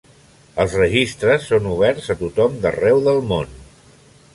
Els registres són oberts a tothom d'arreu del món.